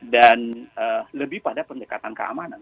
dan lebih pada pendekatan keamanan